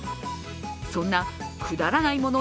そんなくだらないもの